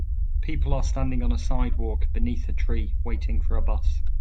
People are standing on a sidewalk, beneath a tree, waiting for a bus.